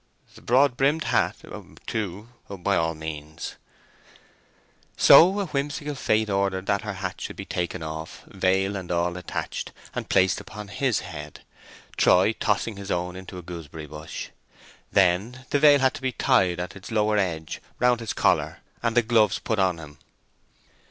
"The broad brimmed hat, too, by all means." So a whimsical fate ordered that her hat should be taken off—veil and all attached—and placed upon his head, Troy tossing his own into a gooseberry bush. Then the veil had to be tied at its lower edge round his collar and the gloves put on him.